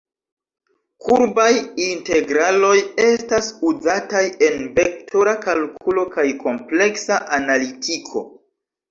Kurbaj integraloj estas uzataj en vektora kalkulo kaj kompleksa analitiko.